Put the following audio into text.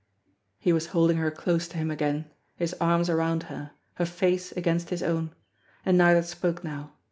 ..." He was holding her close to him again, his arms around her, her face against his own. And neither spoke now.